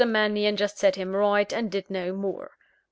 Mannion just set him right; and did no more.